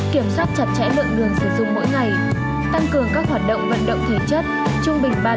kiểm soát chặt chẽ lượng đường sử dụng mỗi ngày tăng cường các hoạt động vận động thể chất trung bình ba lần một tuần